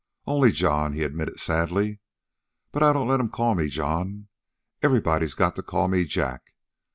"Only John," he admitted sadly. "But I don't let 'em call me John. Everybody's got to call me Jack.